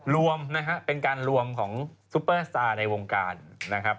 รวมนะฮะเป็นการรวมของซุปเปอร์สตาร์ในวงการนะครับ